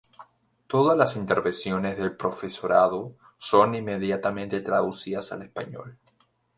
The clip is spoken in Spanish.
Todas las intervenciones del profesorado son inmediatamente traducidas al español.